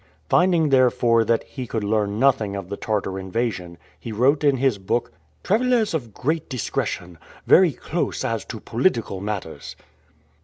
Finding, therefore, that he could learn nothing of the Tartar invasion, he wrote in his book, "Travelers of great discretion. Very close as to political matters."